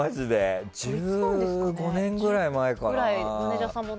１５年ぐらい前かな。